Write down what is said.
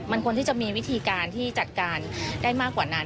มันควรที่จะมีวิธีการที่จัดการได้มากกว่านั้น